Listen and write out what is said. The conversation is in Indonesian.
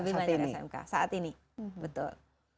lebih banyak smk saat ini betul